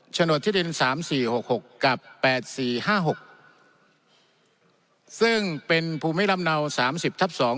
โดดที่ดินสามสี่หกหกกับแปดสี่ห้าหกซึ่งเป็นภูมิลำเนาสามสิบทับสอง